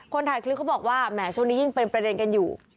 ถ่ายคลิปเขาบอกว่าแหมช่วงนี้ยิ่งเป็นประเด็นกันอยู่